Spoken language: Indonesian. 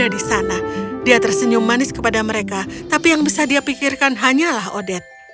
dia tersenyum manis kepada mereka tapi yang bisa dia pikirkan hanyalah odette